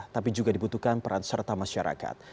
tapi juga dibutuhkan peran serta masyarakat